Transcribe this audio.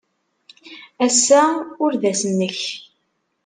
Ass-a ur d ass-nnek.